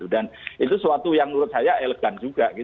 dan itu suatu yang menurut saya elegan juga